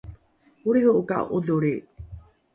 olriho’oka’o ’odholri?